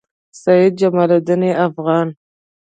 سعید جمالدین افغان